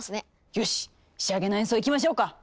よし仕上げの演奏いきましょうか！